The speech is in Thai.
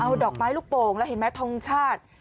เอาดอกไม้ลูกโป่งแล้วเห็นไหมทงชาติ